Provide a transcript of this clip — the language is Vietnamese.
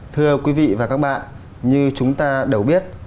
thưa quý vị và các bạn như chúng ta đều biết